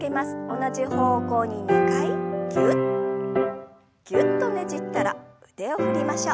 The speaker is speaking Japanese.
同じ方向に２回ぎゅっぎゅっとねじったら腕を振りましょう。